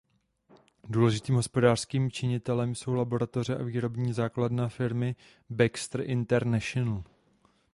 Důležitým hospodářským činitelem jsou laboratoře a výrobní základna firmy Baxter International.